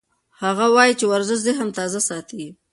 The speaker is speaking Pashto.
هغه وایي چې ورزش ذهن تازه ساتي.